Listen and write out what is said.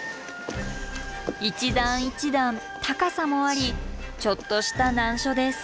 一段一段高さもありちょっとした難所です。